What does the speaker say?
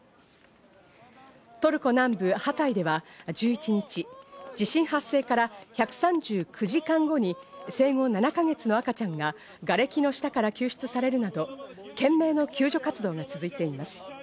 トルコ南部ハタイでは、１１日、地震発生から１３９時間後に生後７か月の赤ちゃんががれきの下から救出されるなど、懸命な救助活動が続いています。